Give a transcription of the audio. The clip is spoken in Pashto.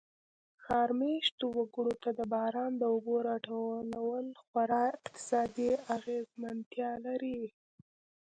ښار مېشتو وګړو ته د باران د اوبو را ټول خورا اقتصادي اغېزمنتیا لري.